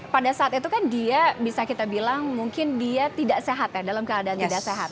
pada saat itu kan dia bisa kita bilang mungkin dia tidak sehat ya dalam keadaan tidak sehat